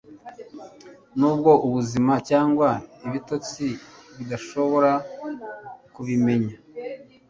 nubwo ubuzima cyangwa ibitotsi bidashobora kubimenya